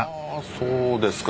そうですか。